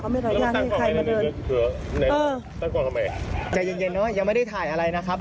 เขาไม่ได้อนุญาตให้ใครมาเดินเออตั้งก่อนทำไมใจเย็นเย็นเนอะยังไม่ได้ถ่ายอะไรนะครับ